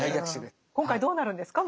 今回どうなるんですか？